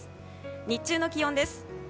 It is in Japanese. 日中の気温です。